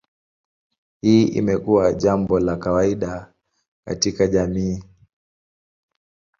Hii imekuwa jambo la kawaida katika jamii.